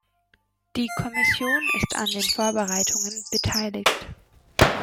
Die Kommission ist an den Vorbereitungen beteiligt.